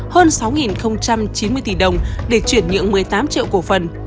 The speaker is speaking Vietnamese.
hơn sáu chín mươi tỷ đồng để chuyển nhượng một mươi tám triệu cổ phần